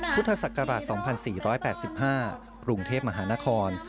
พุทธศักราช๒๔๘๕กรุงเทพมหานคร